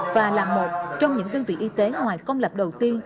và là một trong những đơn vị y tế ngoài công lập đầu tiên